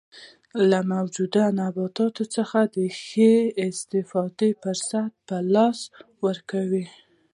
له موجوده نباتاتو څخه د ښې استفادې فرصت په لاس ورکوي.